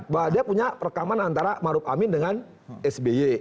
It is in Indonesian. bahwa dia punya perekaman antara maruf amin dengan sby